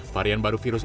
varian baru virusnya